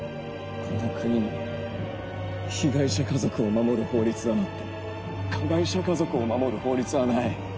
この国には被害者家族を守る法律はあっても加害者家族を守る法律はない。